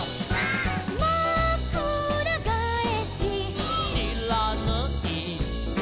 「まくらがえし」「」「しらぬい」「」